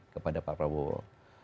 kepada pak prabowo